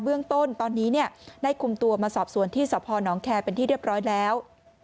เบื้องต้นตอนนี้ได้คุมตัวมาสอบสวนที่สพนแคร์เป็นที่เรียบร้อยแล้ว